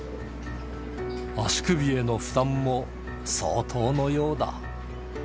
足首への負担も、相当のようだ。